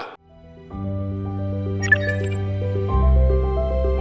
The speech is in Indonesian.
dari indonesia indonesia memiliki pendapat yang sangat baik